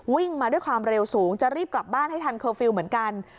วิ่งมาด้วยความเร็วสูงจะรีบกลับบ้านให้ทันเคอร์ฟิลล์เหมือนกัน